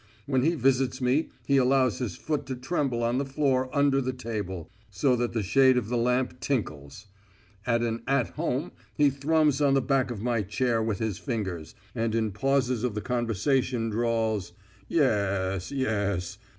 When he visits me he allows his foot to tremble on the floor Under the table, so that the shade of the lamp tinkles. At an "at home" he thrums on the back of my chair with his fingers, and in pauses of the conversation drawls, "y e s, y es."